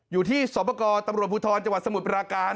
อยู่ที่สวปกรตำรวจภูทรจังหวัดสมุทรปราการ